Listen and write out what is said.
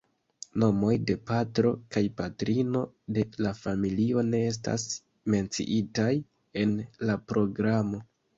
Nomoj de patro kaj patrino de la familio ne estas menciitaj en la programo.